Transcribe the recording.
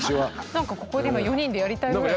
なんかここで今４人でやりたいぐらいですね。